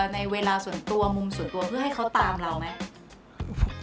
ในเวลาส่วนตัวมุมส่วนตัวเพื่อให้เขาตามเราไหม